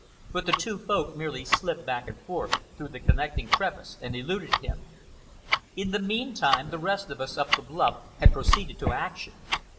But the two Folk merely slipped back and forth through the connecting crevice and eluded him. In the meantime the rest of us up the bluff had proceeded to action.